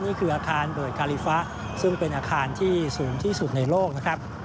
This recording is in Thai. นี่คืออาคารเบิดคาลิฟะซึ่งเป็นอาคารที่สูงที่สุดในโลกนะครับ